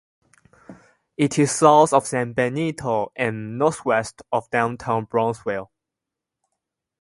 It is south of San Benito and northwest of downtown Brownsville.